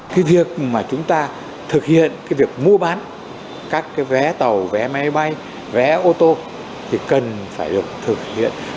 cái việc mà chúng ta thực hiện cái việc mua bán các cái vé tàu vé máy bay vé ô tô thì cần phải được thực hiện